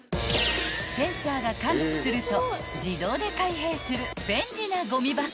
［センサーが感知すると自動で開閉する便利なごみ箱］